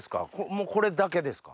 もうこれだけですか？